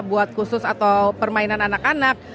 buat khusus atau permainan anak anak